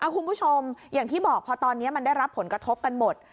คุณผู้ชมอย่างที่บอกพอตอนนี้มันได้รับผลกระทบกันหมด